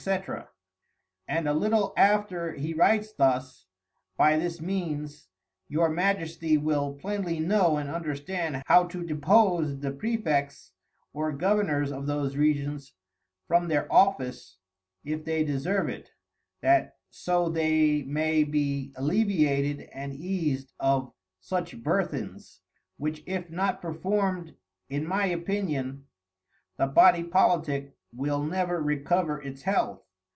_ And a little after he writes thus, By this Means your Majesty will plainly know and understand how to depose the Prefects or Governours of those Regions from their Office if they deserve it, that so they may be alleviated and eas'd of such Burthens; which if not perform'd, in my Opinion, the Body Politick will never recover its Health.